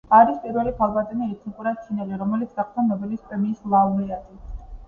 არის პირველი ქალბატონი ეთნიკურად ჩინელი, რომელიც გახდა ნობელის პრემიის ლაურეატი.